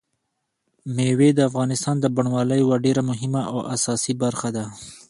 مېوې د افغانستان د بڼوالۍ یوه ډېره مهمه او اساسي برخه ده.